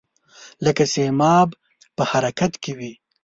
لکه سیماب په حرکت کې وي.